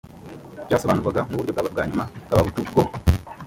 byasobanurwaga nk uburyo bwa nyuma bw abahutu bwo